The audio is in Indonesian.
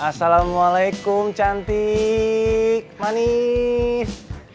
assalamualaikum cantik manis